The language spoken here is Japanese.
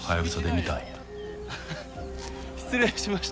あっ失礼しました。